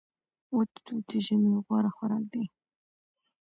وچ توت د ژمي غوره خوراک دی.